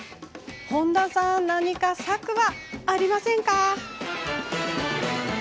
本多さん何か策はありませんか？